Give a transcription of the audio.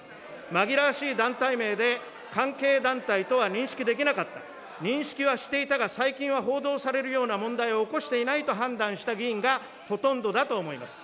紛らわしい団体名で、関係団体とは認識できなかった、認識はしていたが、最近は報道されるような問題を起こしていないと判断した議員がほとんどだと思います。